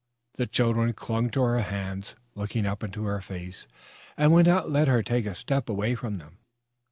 The children clung to her hands, looking up into her face, and would not let her take a step away from them.